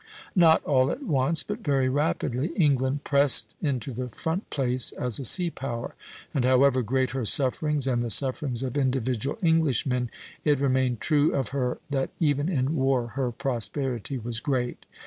Not all at once, but very rapidly, England pressed into the front place as a sea power; and however great her sufferings and the sufferings of individual Englishmen, it remained true of her that even in war her prosperity was great.